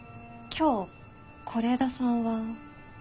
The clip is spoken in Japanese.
今日是枝さんは？